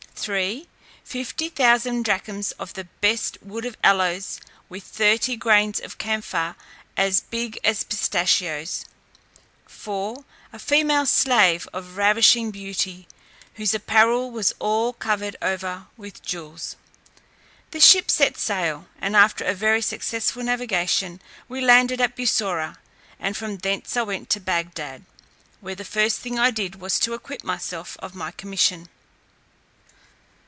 3. Fifty thousand drachms of the best wood of aloes, with thirty grains of camphire as big as pistachios. 4. A female slave of ravishing beauty, whose apparel was all covered over with jewels. The ship set sail, and after a very successful navigation we landed at Bussorah, and from thence I went to Bagdad, where the first thing I did was to acquit myself of my commission.